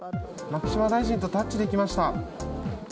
牧島大臣とタッチできました。